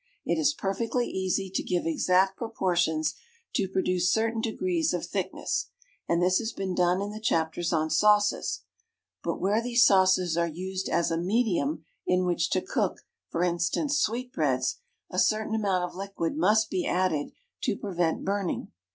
It is perfectly easy to give exact proportions to produce certain degrees of thickness, and this has been done in the chapters on sauces; but where these sauces are used as a medium in which to cook, for instance, sweetbreads, a certain amount of liquid must be added to prevent burning.